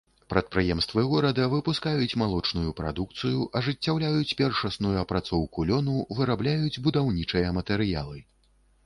Прадпрыемствы горада выпускаюць малочную прадукцыю, ажыццяўляюць першасную апрацоўку лёну, вырабляюць будаўнічыя матэрыялы.